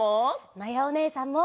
まやおねえさんも！